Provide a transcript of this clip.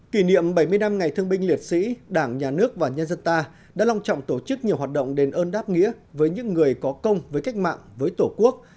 kỷ niệm bảy mươi năm ngày thương binh liệt sĩ đảng nhà nước và nhân dân ta đã long trọng tổ chức nhiều hoạt động đền ơn đáp nghĩa với những người có công với cách mạng với tổ quốc